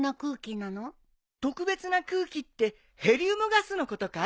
特別な空気ってヘリウムガスのことかい？